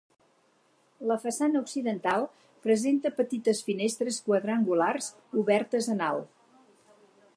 La façana occidental presenta petites finestres quadrangulars obertes en alt.